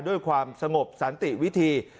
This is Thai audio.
ด้วยความสงบสันติวิธี